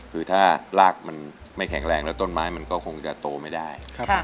คือถ้ารากมันไม่แข็งแรงแล้วต้นไม้มันก็คงจะโตไม่ได้